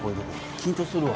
緊張するわ。